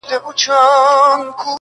اوس هغه خلک هم لوڅي پښې روان دي-